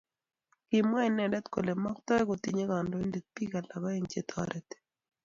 Kimwa inendet kole maktoi kotinye kandoindet bik alak aeng che toriti